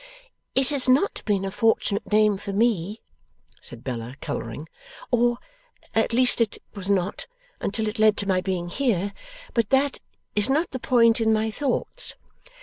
'It has not been a fortunate name for me,' said Bella, colouring 'or at least it was not, until it led to my being here but that is not the point in my thoughts.